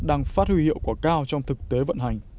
đang phát huy hiệu quả cao trong thực tế vận hành